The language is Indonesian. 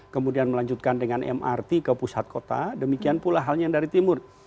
kemudian melanjutkan dengan mrt ke pusat kota demikian pula halnya yang dari timur